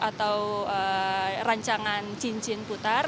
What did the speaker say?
atau rancangan cincin putar